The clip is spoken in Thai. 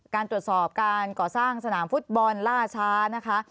การตรวจสอบการก่อสร้างสนามฟุตบอลล่าช้านะคะ